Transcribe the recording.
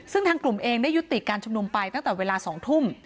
ซึ่งทางกลุ่มเองได้ยุติการชุมนุมไปตั้งแต่เวลา๒ทุ่ม